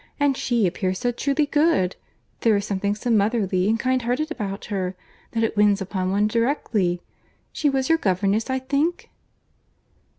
And she appears so truly good—there is something so motherly and kind hearted about her, that it wins upon one directly. She was your governess, I think?"